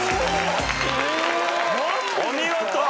お見事！